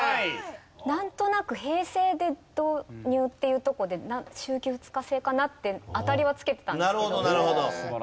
なんとなく平成で導入っていうとこで週休２日制かなって当たりはつけてたんですけど。